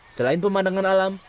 selain pemandangan alam